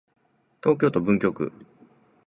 東京都文京区